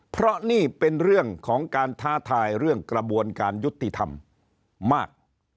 เพราะนี่เป็นเรื่องของการท้าทายเรื่องกระบวนการยุติธรรมมาก